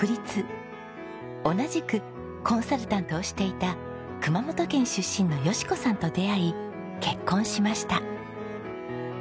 同じくコンサルタントをしていた熊本県出身の淑子さんと出会い結婚しました。